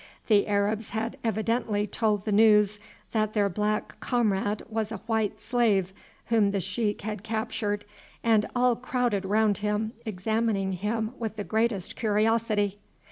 The Arabs had evidently told the news that their black comrade was a white slave whom the sheik had captured, and all crowded round him examining him with the greatest curiosity.